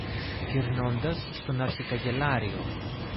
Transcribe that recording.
γυρνώντας στον αρχικαγκελάριο